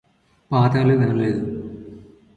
పాఠాలు వినలేడు